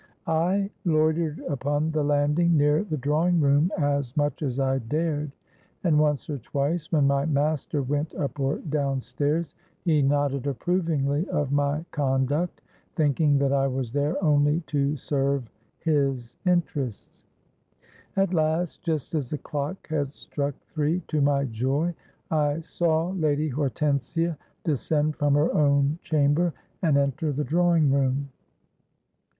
I loitered upon the landing near the drawing room as much as I dared; and once or twice, when my master went up or down stairs, he nodded approvingly of my conduct, thinking that I was there only to serve his interests. At last, just as the clock had struck three, to my joy I saw Lady Hortensia descend from her own chamber, and enter the drawing room.